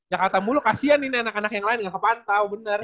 jakarta mulu kasian ini anak anak yang lain nggak kepantau benar